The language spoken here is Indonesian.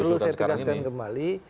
perlu saya tegaskan kembali